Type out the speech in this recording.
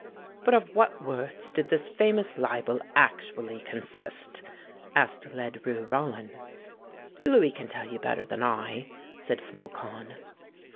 "But of what words did this famous libel actually consist?" asked Ledru Rollin. "Louis can tell you better than I," said Flocon.